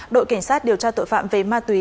đội cảnh sát điều tra tội phạm về ma túy